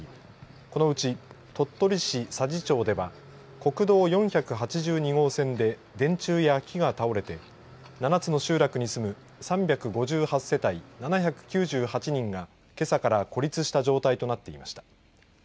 このうち鳥取市佐治町では国道４８２号線で電柱や木が倒れて７つの集落に住む３５８世帯７９８人がけさから孤立した状態となっていました。